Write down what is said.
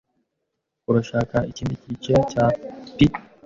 Urashaka ikindi gice cya pie?